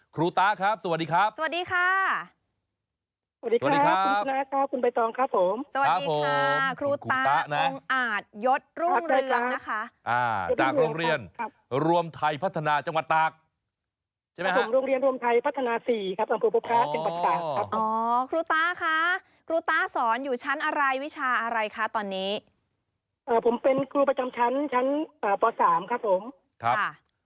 ก็สาระเพิ่มเติมด้วยนะครับ